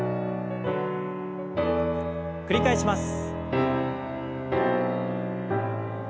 繰り返します。